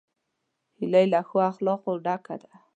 هیلۍ له ښو اخلاقو ډکه ده